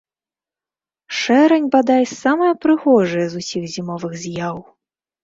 Шэрань, бадай, самая прыгожая з усіх зімовых з'яў.